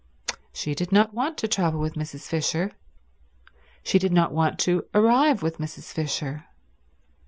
She did not want to travel with Mrs. Fisher. She did not want to arrive with Mrs. Fisher.